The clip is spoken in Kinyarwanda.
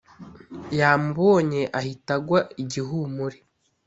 yamubonye ahita agwa igihumure